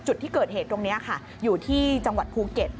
จุดที่เกิดเหตุตรงนี้ค่ะอยู่ที่จังหวัดภูเก็ต